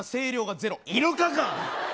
イルカか！